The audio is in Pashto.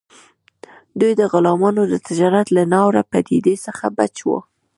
دوی د غلامانو د تجارت له ناوړه پدیدې څخه بچ وو.